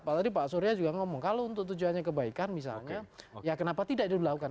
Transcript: pak tadi pak surya juga ngomong kalau untuk tujuannya kebaikan misalnya ya kenapa tidak dilakukan